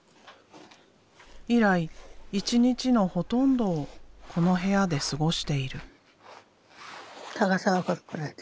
以来一日のほとんどをこの部屋で過ごしている。